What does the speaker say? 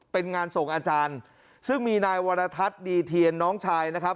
เป็นงานส่งอาจารย์ซึ่งมีนายวรทัศน์ดีเทียนน้องชายนะครับ